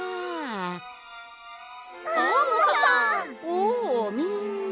おおみんな。